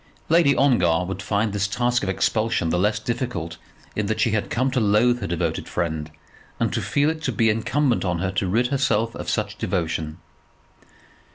Lady Ongar would find this task of expulsion the less difficult in that she had come to loathe her devoted friend, and to feel it to be incumbent on her to rid herself of such devotion.